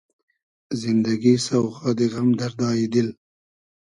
زیندئگی سۆغادی غئم , دئردای دیل